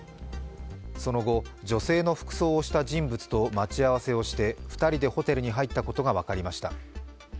その後、女性の服装をした人物と待ち合わせをして２人でホテルに入ったことが分かりました。